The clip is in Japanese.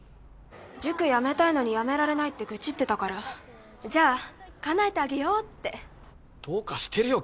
塾やめたいのにやめられないって愚痴ってたからじゃあかなえてあげようってどうかしてるよ